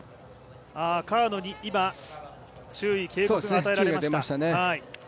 川野に今、注意・警告が与えられました。